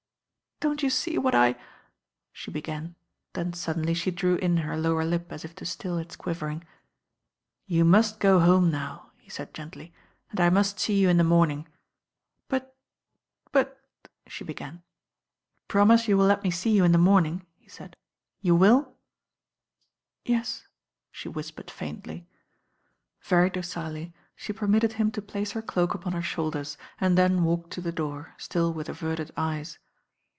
"Don't you see what I » she began, then sud denly she drew in her lower lip as if to rtill its quiv ering. "You must go home now," he said gently, "and I must see you in the morning." •'But— *ut " she began. "Promise you will let me see you in the momimr," he said. "You wiU?" "Yes," she whispered fairtly. Very docilely she permitted him to place her doak upon her shoulders and then walked to the door, sdll with averted eyes.